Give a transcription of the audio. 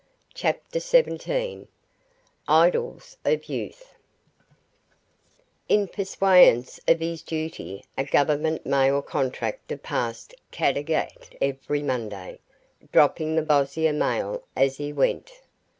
CHAPTER SEVENTEEN Idylls of Youth In pursuance of his duty a government mail contractor passed Caddagat every Monday, dropping the Bossier mail as he went.